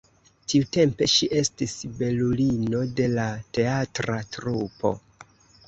Tiutempe ŝi estis belulino de la teatra trupo.